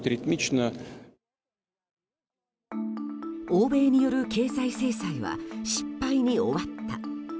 欧米による経済制裁は失敗に終わった。